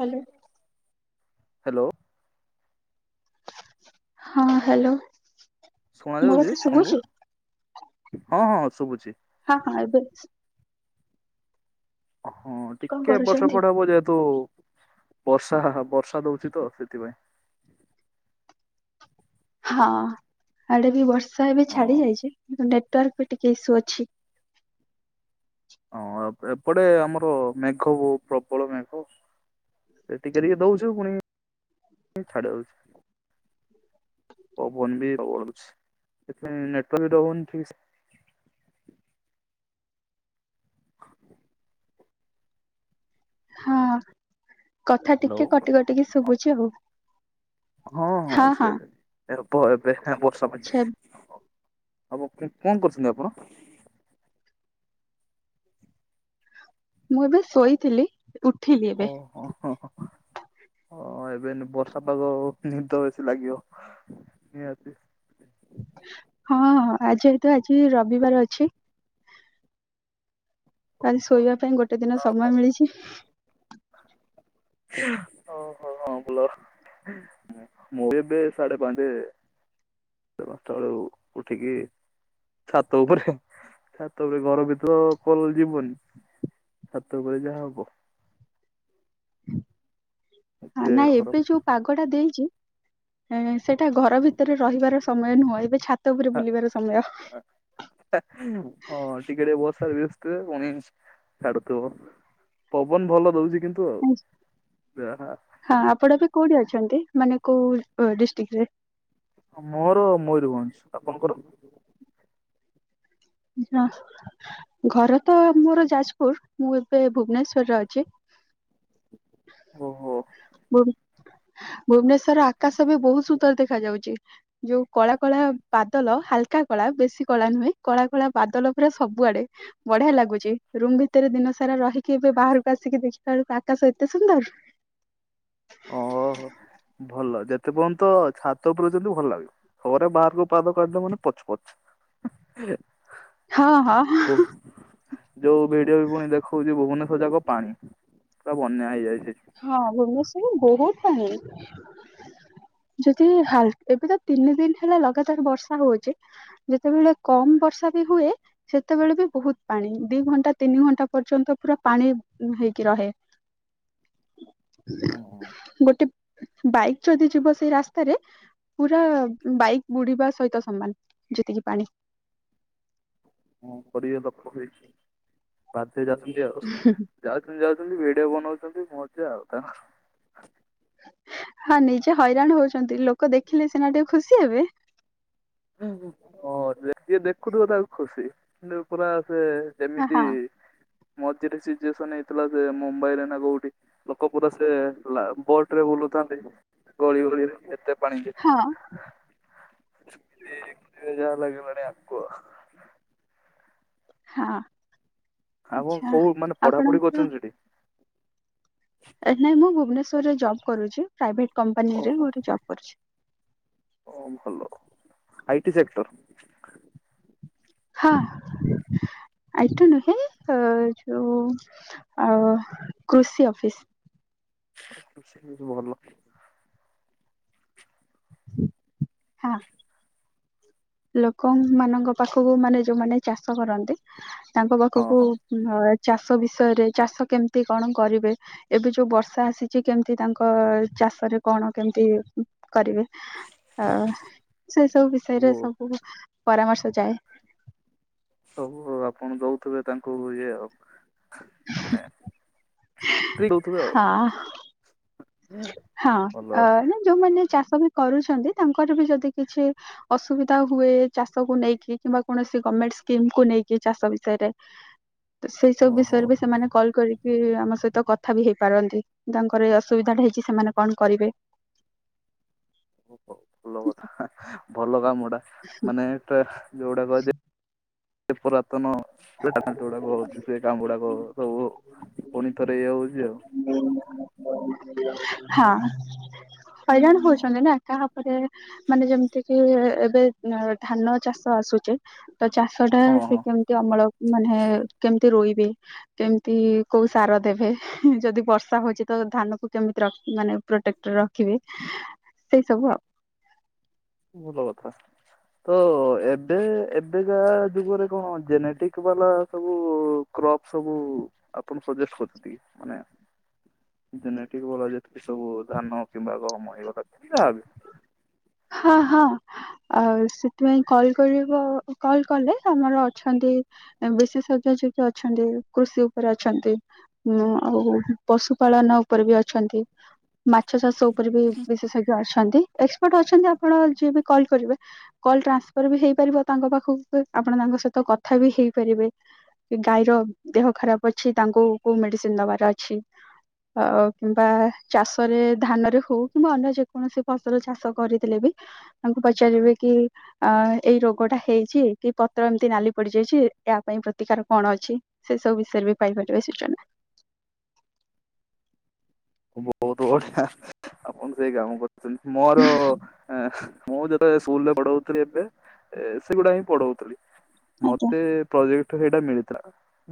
Hello. Hello. ହଁ hello. ମୋ ଶୁଣଯାଉଛି କଥା ଶୁଭୁଛି ଆଣକୁ ହଁ ହଁ ଶୁଭୁଛି। ହଁ ହଁ ଏବେ ହଁ କଣ ଟିକେ ବର୍ଷ କରୁଛନ୍ତି? ସେପଡେ ହବ ଯେହେତୁ ବର୍ଷା ହ ବର୍ଷା ଦଉଛି ତ ସେଥିପାଇଁ। ହଁ ଆଡେ ବି ବର୍ଷା ଏବେ ଛାଡି ହଁ। ଯାଇଛି କି ନେଟୱାର୍କ ବି ଟିକେ ଇସୁ ଅଛି। ହଁ ଏପଟେ ଆମର ମେଘ ବୋ ପ୍ରବଳ ମେଘ। ସେ ଟିକେ ଟିକେ ଦଉଛୁ ପୁଣି ଛାଡି ଦଉଛି ପବନ ବି ସେଥିପାଇଁ ନଟ ବି ରନ ଠିକ ସେ। ହଁ କଥା ହ୍ୟାଲୋ ଟିକେ କଟି କଟିକି ଶୁଭୁଛି ଆଉ। ହଁ ହଁ ସେ ହେବ ଏବେ ବର୍ଷା ପାଇଁ। ଆଛା ହବ କଣ କରୁଛନ୍ତି ଆପଣ। ମୁଁ ଏବେ ଶୋଇଥିଲି ଉଠିଲି ଏବେ। ଓହୋ ହଁ ହଁ ଏବେନି ବର୍ଷା ପାଗ ନିଦ ବେଶୀ ଲାଗିବ ନିହାତି। ହଁଁ ଆଜି ତ ଆଜି ରବିବାର ଅଛି। ଆଲି ଶୋଇବା ପାଇଁ ଗୋଟେ ଦିନ ସମୟ ମିଳିଛି। ଓ ହୋ ହଁ ବୋଲ। ମୁବେ ସାଢ଼େ ପା ଉଠିିକି। ଛାତ ଉପରେ ଛାତ ଉପରେ ଘର ଭିତ କ ଯିବନି। ଛାତ ଉପରେ ଯାହା ହବ। ଏତେ ନାାଇଁ ଖରାପ ଏବେ ଯୋଉ ପାଗ ଟା ଦେଇଛି ସେଟା ଘର ଭିତରେ ରହିବାର ସମୟ ନୁହଁ ଏବେ ଛାତ ଉପରେ ବୁଲିବାର ସମୟ। ହଁ ଟିକେଟ ବଷାର ବିସ୍ତୁ କଣି ଛାଡୁଥିବା। ପବନ ଭଲ ଦଉଛି କିନ୍ତୁ ଯାହା। ହଁ ଆପଣ ବି କୋଉଠି ଅଛନ୍ତି ମାନେ କୋଉ ଡିଷ୍ଟ୍ରିକ ରେ? ମୋର ମୟରଭଞ୍ଜ ଆପଣଙ୍କର? [inaudible] ଘର ତ ମୋର ଯାଜପୁର ମୁଁ ଏବେ ଭୁବନେଶ୍ଵରରେ ଅଛି। ଓହୋ [unintelligible] ଭୁବନେଶ୍ଵର ଆକାଶ ବି ବହୁତ ସୁନ୍ଦର ଦେଖାଯାଉଛି। ଯୋଉ କଳା କଳା ବାଦଲ ହାଲକା କଳା ବେଶୀ କଳା ନୁହେଁ। କଳା କଳା ବାଦଲ ପୁରା ସବୁଆଡେ। ବଢିଆ ଲାଗୁଛି ରୁମ ଭିତରେ ଦିନ ସାରା ରହିକି ଏବେ ବାହାରକୁ ଆସିକି ଦେଖି ବଳକୁ ଆକାଶ ଏତେ ସୁନ୍ଦର? [inaudible] ଓହୋ ଭଲ ଯେତେ ପର୍ଯ୍ୟନ୍ତ ଛାତ ପଉଛନ୍ତି ଭଲ ଲାଗିବ। ଥରେ ବାହାରକୁ ପାଦ କାଟିଲ ମାନେ ପଚ ପଚ। ହଁ ହଁ ଓ। ଯୋଉ ଭିଡିଓ ବି ପୁଣି ଦେଖଉଛି ଭୁବନେଶ୍ଵର ଯାକ ପାଣି ପୁରା ବନ୍ୟା ହେଇଯାଇଛି। ହଁ ଭୁବନେଶ୍ଵରରେ ବହୁତ ପାଣି ହେ। ଯଦି ହାଲ୍ ଏବେ ତ ତିନି ଦିନ ହେଲା ଲଗାତାର ବର୍ଷା ହୋଉଚି। ଯେତେବେଳେ କମ୍ ବର୍ଷା ବି ହୁଏ ସେତେବେଳେ ବି ବୋହୁତ ପାଣି ଦି ଘଣ୍ଟା ତିନି ଘଣ୍ଟା ପର୍ଯ୍ୟନ୍ତ ପୁରା ପାଣି ହେଇକି ରହେ। ହୁଁ ହଁ। ଗୋଟେ ବାଇକ୍ ଯଦି ଯିବ ସେଇ ରାସ୍ତାରେ ପୁରା ବାଇକ୍ ବୁଡି଼ବା ସହିତ ସମାନ ଯେତିକି ପାଣି। ହଁ କରିବେ ଲୋକ ହେଇ ବାଧ୍ୟ ହେଇ ଯାଉଛନ୍ତି ଆଉ। ଯାଉଛନ୍ତି ଯାଉଛନ୍ତି ଭିଡ଼ିଓ ବନଉଛନ୍ତି ମଜା ଅଲକା। ହଁ ନିଜେ ହଇରାଣ ହୋଉଛନ୍ତି ଲୋକ ଦେଖିଲେ ସିନା ଟିକେ ଖୁସି ହେବେ। ହଁ ଯେ ଯିଏ ଦେଖୁଥୁବ ତାକୁ ଖୁସି କିନ୍ତୁ ପୁରା ସେ ହଁ ଯେମିତି ହଁ ମଝିରେ ସିଚୁଏସନ୍ ହେଇଥିଲା ସେ ମୁମ୍ବାଇ ରେ ନା କୋଉଠି। ଲୋକ ପୁରା ସେ ହେଲା ବୋଟ୍ ରେ ବୁଲୁଥାନ୍ତି ଗଳି ବଳି ଏତେ ପାଣି। ହଁ। ଯେ ଯେ ଯାହା ଲାଗିବଣି ଆଗୁକୁ ଅ। ହଁ ଆପଣ ଆଚ୍ଛା କୋଉ ମାନେ ପଢାପଢି ଆପଣଙ୍କୁ କରୁଛନ୍ତି କିଏ ସେଠି ଆରେ ନାଇଁ ମୁଁ ଭୁବନେଶ୍ୱରରେ ଜବ୍ କରୁଚି ପ୍ରାଇଭେଟ୍ କମ୍ପାନୀରେ ଓହୋ ମୁଁ ଏଠି ଜବ୍ କରୁଚି। ଓ ଭଲୋ ଆଇ ଟି ସେକ୍ଟର୍? ହଁ। ଆଇ ଟି ନୁହେଁ ଅ ଯୋଉ ଅ କୃଷି ଅଫିସ୍। ଏ କୃଷି କିନ୍ତୁ ଭଲ। ହଁ। ଲୋକମାନଙ୍କ ପାଖକୁ ମାନେ ଯୋଉମାନେ ଚାଷ କରନ୍ତି ତାଙ୍କ ହଁ ପାଖୁକୁ ହଁ ଉଁ ହ ଚାଷ ବିଷୟରେ ଚାଷ କେମିତି କଣ କରିବେ ଏବେ ଯୋଉ ବର୍ଷା ଆସିଚି କେମତି ତାଙ୍କ ଚାଷରେ କଣ କେମତି କରିବେ ଅ ସେ ସବୁ ବିଷୟରେ ସବୁ ପରାମର୍ଶ ଯାଏ। ସବୁ ଆପଣ ଦଉଥୁବେ ତାଙ୍କୁ ଇଏ ଆଉ ମାନେ ପି କୋଉଥୁବେ ଆଉ। ହଁ ହଁ ଭଲ ଅ ନାଁ ଯୋଉମାନେ ଚାଷ ବି କରୁଛନ୍ତି ତାଙ୍କର ବି ଯଦି କିଛି ଅସୁବିଧା ହୁଏ ଚାଷକୁ ନେଇକି କିମ୍ବା କୌଣସି ଗମେଟ୍ ସ୍କିମ୍ କୁ ନେଇକି ଚାଷ ବିଷୟରେ ତ ସେଇ ସବୁ ଓ ହଉ ବିଷୟରେ ବି ସେମାନେ କଲ୍ କରିକି ଆମ ସହିତ କଥା ବି ହେଇପାରନ୍ତି। ତାଙ୍କର ରାସ୍ ସୁବିଧାଟି ହେଇଚି ସେମାନେ କଁ କରିବେ? ଓ ହଉ ଭଲ କଥା ଭଲ କାମଟା ମାନେ ପ୍ରା ଯୋଉଡ଼ାକ ଯେ ଏ ପୁରାତନ ଟେ ଟାସଣ୍ଟଉଡ଼ାକ ସେ କାମ ଉଡ଼ାକ ସବୁ ପୁଣି ଥରେ ଇଏ ହଉଚି ଆଉ। ହଁ ହଇରାଣ ହୋଉଛନ୍ତି ନା କାହାପରେ ମାନେ ଯେମତି କି ଏବେ ଧାନ ଚାଷ ଆସୁଚି। ତ ଚାଷଟା ହଁ ସେ ହଁ କେମତି ଅମଳ ମାନେ କେମ୍ ତି ରୋଇବେ କେମତି କୋଉ ସାର ଦେବେ ଯଦି ବର୍ଷା ହଉଚି ତ ଧାନକୁ କେମିତି ର ମାନେ ପ୍ରୋଟେକ୍ଟ୍ ରଖିବେ ସେଇ ସବୁ ଆଉ। ଭଲ କଥା। ତ ଏବେ ଏବେକା ଯୁଗରେ କଣ ଜେନେଟିକ୍ ବାଲା ସବୁ କ୍ରପ ସବୁ ଆପଣ ସଜେଷ୍ଟ୍ କତି ମାନେ ଜେନେଟିକ ବାଲା ଯେତକି ସବୁ ଧାନ କିମ୍ବା ଗହମ ହେଇଗଲା କି ଯାହା ବି। ହଁ ହଁ। ଆଉ ସେଥିପାଇଁ କଲ୍ କରିବ କଲ୍ କଲେ ଆମର ଅଛନ୍ତି ଏଁ ବିଶେଷଜ୍ଞ ଯେ କି ଅଛନ୍ତି କୃଷି ଉପରେ ଅଛନ୍ତି। ଉଁ ଅ ଆଉ ପଶୁ ପାାଳନ ଉପରେ ବି ଅଛନ୍ତି। ମାଛ ଚାଷ ଉପରେ ବି ବିଶେଷଜ୍ଞ ଅଛନ୍ତି ଏକ୍ସପର୍ଟ ଅଛନ୍ତି ଆପଣ ଯିଏ ବି କଲ୍ କରିବେ କଲ୍ ଟ୍ରାନ୍ସଫର୍ ବି ହେଇପାରିବ ତାଙ୍କ ପାଖକୁ ବି ଆପଣ ତାଙ୍କ ସହିତ କଥା ବି ହେଇପାରିବେ। ଇ ଗାଈର ଦେହ ଖରାପ ଅଛି ତାଙ୍କୁ କୋଉ ମେଡ଼ିସିନ୍ ଦବାର ଅଛି? ଅ କିମ୍ବା ଚାଷରେ ଧାନରେ ହଉ କିମ୍ବା ଅନ୍ୟ ଯେକୌଣସି ଫସଲ ଚାଷ କରିଥିଲେ ବି ଆଙ୍କୁ ପଚାରିବେ କି? ଅ ଏଇ ରୋଗ ଟା ହେଇଛି କି ପତ୍ର ଏମିତି ନାଲି ପଡିଯାଇଛି ୟ ପାଇଁ ପ୍ରତିକାର କଣ ଅଛି ସେ ସବୁ ବିଷୟରେ ବି ପାଇପାରିବେ ସୂଚନା। ବହୁତ ବଢିଆ ଆପଣ ସେଇ ଗାଁକୁ [unintelligible] ନ୍ତି ମୋର ହଁ ମୁଁ ଯେତେବେଳେ ସ୍କୁଲ ରେ ପଢ ହଉଥିଲି ଏବେ ସେଗୁଡା ହିଁ ପଢଉଥିଲି ଆଜ୍ଞା ମତେ ପ୍ରୋଜେକ୍ଟ ସେଇଟା ମିଳିଥିଲା।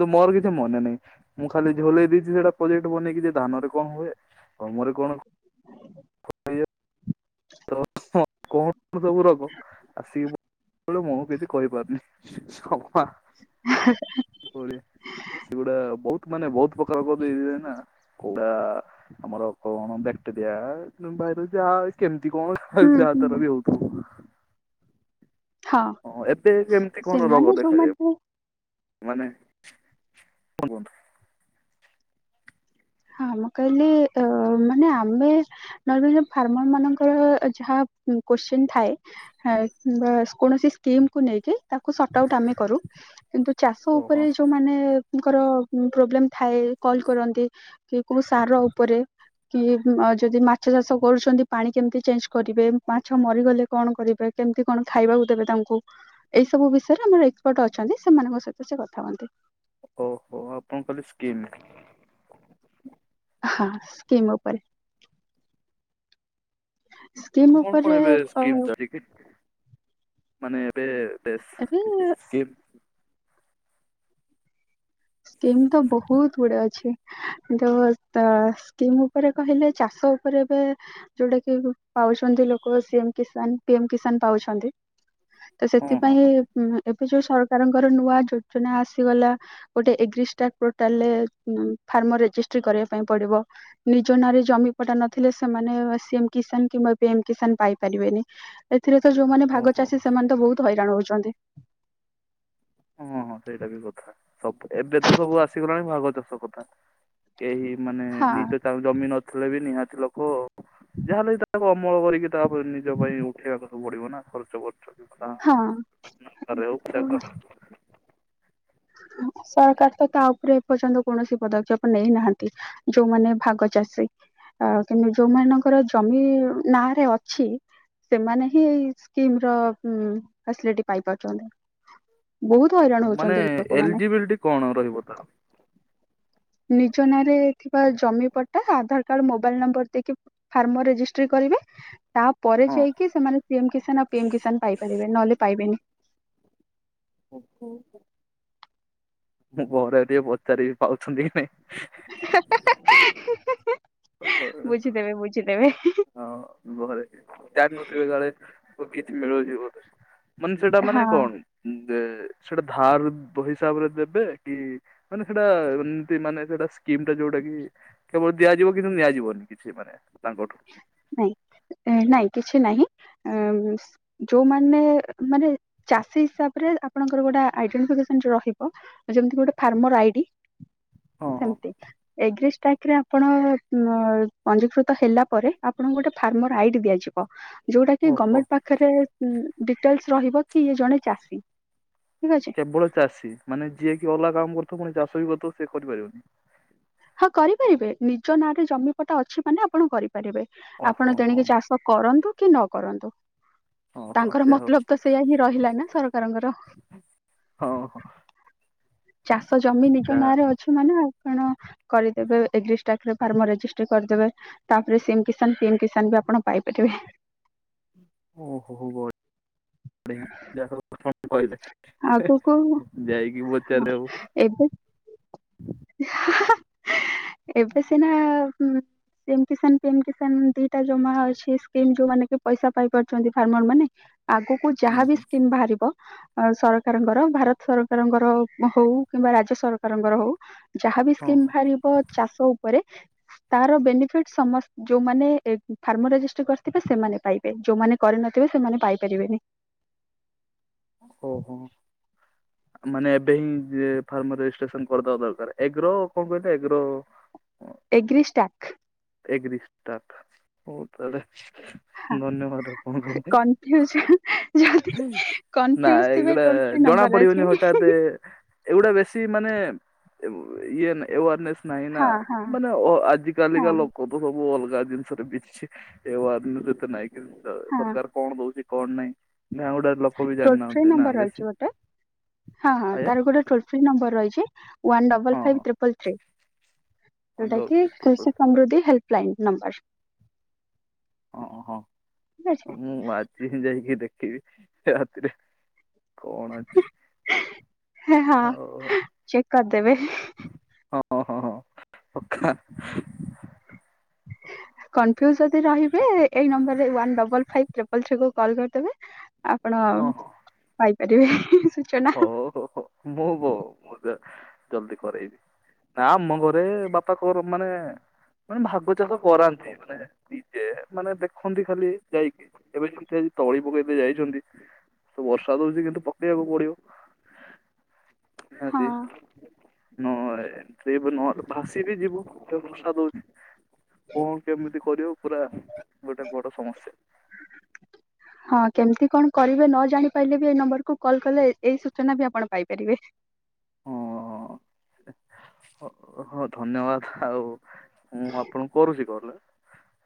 ତୁ ମୋର କିଛି ମନେ ନାହିଁ ମୁଁ ଖାଲି ଝୋଲେଇ ଦେଇଛି ସେଟା ପ୍ରୋେକ୍ଟ ବନେଇକି ଧାନରେ। କଣ ହୁଏ ତମର କଣ? [unintelligible] ସେଳୁ ମୁଁ କିଛି କହିପାରୁନି? ହେ ହେ ହେ କ ସେଗୁଡା ବହୁତ ମାନେ ବହୁତ ପଖ କା ଆମର କଣ ବକ୍ଟରିଆ ବା ଯାହା କେମିତି କଣ ହୁଁ ହୁଁ ଯାହାଦାର ବି ହଉଛି? ହଁ ଏବେ କେମିତି କଣ ରୋଗ ସେମାନେ ଦେଖାଯାଏ, ଯୋଉମାନେ ମାନେ କଣ କୁହନ୍ତୁ? ହଁ ମୁଁ କହିଲି ଅ ମାନେ ଆମେ ନ ଫାର୍ମର ମାନଙ୍କର ଯାହା କୋସଚିନି ଥାଏ କୌଣସି [unintelligible] ନେଇକି ତାକୁ ସଟଆଉଟ ଆମେ କରୁ, କିନ୍ତୁ ଚାଷ ଓହୋ ଉପରେ ଯୋଉ ମାନଙ୍କର ପ୍ରୋବ୍ଲେମ ଥାଏ କଲ କରନ୍ତି। କି କୋଉ ସାର ଉପରେ? କି ଯଦି ମାଛ ଚାଷ କରୁଛନ୍ତି ପାଣି କେମିତି ଚେଞ୍ଜ କରିବେ, ମାଛ ମରିଗଲେ କଣ କରିବେ? କେମିତି କଣ ଖାଇବାକୁ ଦେବେ ତାଙ୍କୁ? ଏଇ ସବୁ ବିଷୟରେ ଆମର ଏକ୍ସପର୍ଟ ଅଛନ୍ତି, ସେମାନଙ୍କ ସହିତ ସେ କଥା ହୁଅନ୍ତି। ଓହୋ, ଆପଣ କହିଲେ ସ୍କିମ୍ ହଁ ସ୍କିମ୍ ଉପରେ। ସ୍କିମ୍ କଣ ଉପରେ କରିବେ ସ୍କିମ ତ ହେ ମାନେ ଏବେ ବେଶ ଏବେ କିଛି ସ୍କିମ ତ ବହୁତ ଗୁଡା ଅଛି। [unintelligible] ସ୍କିମ୍ ଉପରେ କହିଲେ, ଚାଷ ଉପରେ ଏବେ ଯୋଉଟା କି ପାଉଛନ୍ତି ଲୋକ C M Kisan, P M Kisan ପାଉଛନ୍ତି। ତ ହଁ ହଁ ସେଥିପାଇଁ ହଁ ଏବେ ଯୋଉ ସରକାରଙ୍କର ନୂଆ ଯୋଜନା ଆସିଗଲା ଗୋଟେ ଏଗିଷ୍ଟ ପୋଟାଲରେ ଫାର୍ମ ରେଜିଷ୍ଟ୍ରି କରିବା ପାଇଁ ପଡିବ। ନିଜ ନାଁରେ ଜମି ପଟା ନଥିଲେ ସେମାନେ ସିଏମ କିଷାନ କିମ୍ବା ଏବେ ଏ କିଷାନ ପାଇପାରିବେନି। ଏଥିରେ ତ ଯୋଉମାନେ ଭାଗ ଓହୋ ଚାଷୀ, ସେମାନେ ତ ବହୁତ ହଇରାଣ ହଉଛନ୍ତି। ହଁ ହଁ ସେଇଟା ବି କଥା ସବୁ, ଏବେ ତ ସବୁ ଆସିଗଲାଣି ଭାଗ ଚାଷ କଥା। କେହି ମାନେ ହଁ ନିଜ ଜମି ନଥିଲେ ବି ନିହାତି ଲୋକ ଯାହାଲୋକ ତା ଅମଳ କରିକି ତାପରେ ନିଜ ପାଇଁ ଉଠେଇବାକୁ ସବୁ ପଡିବ ନା ଖର୍ଚ୍ଚ କରୁଚ। ହଁ [unintelligible] ସରକାର ତ ତା ଉପରେ ଏପର୍ଯ୍ୟନ୍ତ କୌଣସି ପଦକ୍ଷେପ ନେଇନାହାନ୍ତି। ଯୋଉମାନେ ଭାଗ ଚାଷୀ। ଆ କିନ୍ତୁ ଯୋଉମାନଙ୍କର ଜମି ନାଁରେ ଅଛି ସେମାନେ ହିଁ ଏଇ ସ୍କିମ ର ଉ ଫାସିଲିଟି ପାଇ ପାରୁଛନ୍ତି। ବହୁତ ହଇରାଣ ମାନେ ହଉଛନ୍ତି। ଲୋକମାନେ। ଏଲିଜିବିଲିଟି କଣ ରହିବ ତାର ନିଜ ନାଁରେ ଥିବା ଜମି ପଟା ଆଧାର କାର୍ଡ ମୋବାଇଲ ନମ୍ବର ଦେଇକି ଫାର୍ମ ରେଜିଷ୍ଟ୍ରି କରିବେ। ତାପରେ ହଁ ଯାଇକି ସେମାନେ ସିଏମ୍ କିଷାନ ଆଉ ପି ଏମ୍ କିଷାନ ପାଇପାରିବେ, ନହେଲେ ପାଇବେନି। ମୁଁ ଘରେ ଟିକେ ପଚାରିବି, ପାଉଛନ୍ତି କି ନାଇଁ? ହେ ହେ ହେ ହୁଁ ହୁଁ ହୁଁ, ବୁଝିଦେବେ ବୁଝିଦେବେ। ହଁ ବରେ ତା ନତ ବ କାଳେ କିଛି ମିଳୁଛି ବ ମାନେ ସେଟା ମାନେ ହଁ କଣ ସେଇଟା ଧାର ହିସାବରେ ଦେବେ କି ମାନେ ସେଇଟା ଏମତି ମାନେ ସେଟା ସ୍କିମ ଟା ଯୋଉଟା କି କେବଳ ଦିଆଯିବ କିନ୍ତୁ ନିଆଯିବନି କିଛି ମାନେ ତାଙ୍କଠୁ ନାଇଁ ନାଇଁ କିଛି ନାହିଁ। ଯୋଉମାନେ ମାନେ ଚାଷୀ ହିସାବରେ ଆପଣଙ୍କର ଗୋଟେ ଆଇଡଣ୍ଟିଫସନ ରହିବ। ଯେମତି ଗୋଟେ ଫାର୍ମର ଆଇଡି। ହଁ ହଁ। ସେମତି [unintelligible] ଆପଣ ପଞ୍ଜୀକୃତ ହେଲା ଆପଣଙ୍କୁ ଗୋଟେ ଫାର୍ମର ଆଇଡି ଦିଆଯିବ ଯୋଉଟା ଓହୋ ଗମେଣ୍ଟ ପାଖ ପାଖରେ ଡିଟେଲସ ରହିବ କି ଇଏ ଜଣେ ଚାଷୀ, ଠିକ ଅଛି। କେବଳ ଚାଷୀ ମାନେ ଯିଏ କିି ଅଲଗା କାମ କରୁଥଉ ପୁଣି ଚାଷ ବି କରିଥାଉ ସେିଏ କରିପାରିବନି। ହଁ କରିପାରିବେ ନିଜ ନାଁରେ ଜମିପଟା ଅଛି ମାନେ ଆପଣ କରିପାରିବେ ଓହୋ ଆପଣ ହଁ। ତଣିକି ଚାଷ କରନ୍ତୁ କି ନ କରନ୍ତୁ। ଓହୋ ତାଙ୍କର ଯା ହଉ ମତଲବ ତ ସେଇୟା ହିଁ ରହିଲା ନା ସରକାରଙ୍କର। ହଁ ହଁ ଚାଷଜମି ନିଜ ତା ନାଁରେ ଅଛ ମାନେ ଆପଣ କରିଦେବେ ଏଗ୍ରା ଫାର୍ମ ରେଜିଷ୍ଟ୍ରି କରିଦେବେ। ତାପରେ ସିମ କିଷାନ ପିମ କିଷାନ ବି ଆପଣ ପାଇପାରିବେ। ଓ ହୋ ହୋ ବ [unintelligible] କହିଲେ ଆଗକୁ ଯାଇକି ପଚାରେ ଆଉ। ଏବେ? ଏବେ ସିନା ସିଏମ କିଷାନ, ପିଏମ କିଷାନ ଦିଟା ଜମା ଅଛିି ସ୍କିମ ଯୋଉମାନେ କି ପଇସା ପାଇ ପାରୁଛନ୍ତି ଫାର୍ମରମାନେ। ଆଗକୁ ହୁଁ ଯାହାବି ହୁଁ ସ୍କିମ ବାହାରିବ। ଅ ସରକାରଙ୍କର ଭାରତ ସରକାରଙ୍କର ହଉ କିମ୍ବା ରାଜ୍ୟ ସରକାରଙ୍କର ହଉ। ଯାହାବ ହଁ ସ୍କିମ୍ ହଁ। ବାହାରିବ ଚାଷ ଉପରେ ତାର ବେନିଫିଟ ସମସ୍ତ ଯୋଉମାନେ ଫାର୍ମ ରେଜିଷ୍ଟ କରିଥିବେ ସେମାନେ ପାଇବେ ଯୋଉମାନେ କରିନଥିବେ ସେମାନେ ପାଇପାରିବେନି। ଓହୋ। ମାନେ ଏବେ ହିଁ ଫାର୍ମ ରେଜିଷ୍ଟ୍ରେସନ କରିଦବା ଦରକାର ଏଗ୍ରୋ କଣ କହିଲେ ଏଗ୍ରୋ ଏଗ୍ରିଷ୍ଟାକ ଏଗ୍ରୀଷ୍ଟାକ। ହଉ ତାହଲେ ଧନ୍ୟବାଦ ଆପଣଙ୍କ। କନଫ୍ୟୁଜ ଯଦି ନା କନଫ୍ୟୁଜ ଥିବେ ଏଇଗୁଡା ଟୋଲ ଫ୍ରି ଜଣା ନମ୍ବର ପଡିବନି ଅଛି ହଠାତ। ଏଗୁଡା ବେଶୀ ମାନେ ଇଏ ଏୱାରନେସ୍ ନାଇଁ ନା ହଁ ହଁ ମାନେ ଅ ଆଜିିକାିକା ହଁ ଲୋକ ଲୋକ ସବୁ ଅଲଗା ଜିନିଷରେ ବିଛି ଏୱାର ନାଇଁ କି ହଁ ସରକାର। କଣ ଦଉଛି କଣ ନାଇଁ ମ ଗୋଟେ ଟୋଲ ଫ୍ରି ନମ୍ବର ରହିଛି ଗୋଟେ। ହଁ ହଁ ଆଜ୍ଞା ତାର ଗୋଟେ ଟୋଲ ନମ୍ବର ରହିଛି ୱାନ ଡବଲ ହଁ ହଁ ଫାଇପ ଟ୍ରିପଲଥ୍ରୀ। ଯୋଉଟା ଅଣ୍ଡର କି କୃଷି ସମୃଦ୍ଧି ହେଲ୍ପଲାଇନ୍ ନମ୍ବର। ଓହୋ ଠିକ ଅଛି ମୁଁ ଆ [unintelligible] ଯାଇକି ଦେଖିବି ରାତିରେ କଣ [unintelligible] ଅଛି। ହଁ ଆଉ ଚେକ କରିଦେବେ। ହଁ ହଁ ହଁ ପକ୍କା। ହ [inaudible] କନ୍ଫ୍ୟୁଜ ଯଦି ରହିବେ ଏଇ ନମ୍ବରରେ one double five triple three କୁ କଲ୍ କରିଦେବେ। ଆପଣ ହଁ ହଁ ପାଇପାରିବେ ସୂଚନା। ହଉ ହଉ ହଉ ମୁଁ ମୁଁ ଜଲଦି କରେଇବି। ନା ଆମ ଘରେ ବାପାଙ୍କର ମାନେ ମାନେ ଭାଗ ଚାଷ କରାନ୍ତି ମାନେ ନିଜେ ମାନେ ଦେଖନ୍ତି ଖାଲି ଯାଇକି। ଏବେ ଯେମିତି ଆଜି ତଳି ପକାଇବା ପାଇଁ ଯାଇଛନ୍ତି ସବୁ ବର୍ଷା ତ ହଉଚି କିନ୍ତୁ ପକେଇବାକୁ ପଡିବ। ହଁ ନିହାତି। ନ ଏ ନହେଲେ ଭାସି ବି ଯିବୁ ଭଷା ଦଉଛି। କଣ କେମିତି କରିବ ପୁରା ଗୋଟେ ବଡ ସମସ୍ୟା। ହଁ କେମିତି କଣ କରିବେ ନ ଜାଣି ପାଇଲେ ବି ଏଇ ନମ୍ବରକୁୁ କଲ କଲେ ଏଇ ସୂଚନା ବି ଆପଣ ପାଇପାରିବେ। ହଁ ହଁ ଧନ୍ୟବାଦ ଆଉ ମୁଁ ଆପଣଙ୍କୁ କରୁଛି କଲ।